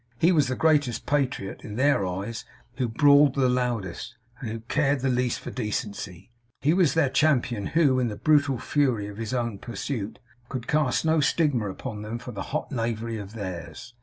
He was the greatest patriot, in their eyes, who brawled the loudest, and who cared the least for decency. He was their champion who, in the brutal fury of his own pursuit, could cast no stigma upon them for the hot knavery of theirs.